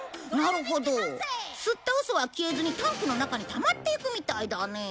吸ったウソは消えずにタンクの中にたまっていくみたいだね。